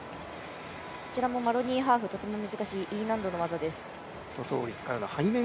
こちらもマロニーハーフとても難しいＥ難度の技です。